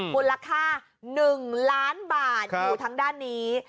คุณราคา๑ล้านบาทอยู่ทั้งด้านนี้